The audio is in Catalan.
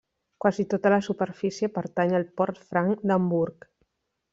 Quasi tota la superfície pertany al port franc d'Hamburg.